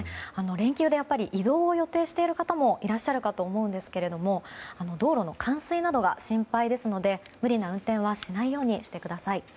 連休で移動を予定している方もいらっしゃるかと思いますが道路の冠水などが心配ですので無理な運転はしないようにしてください。